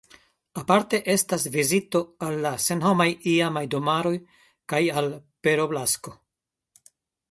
Aparte estas vizito al la senhomaj iamaj domaroj kaj al Peroblasco.